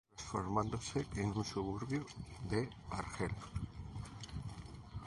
Transformándose en un suburbio de Argel.